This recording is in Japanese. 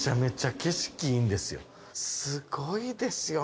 すごいですよね。